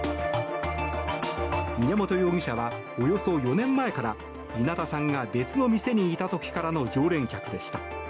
宮本容疑者は、およそ４年前から稲田さんが別の店にいた時からの常連客でした。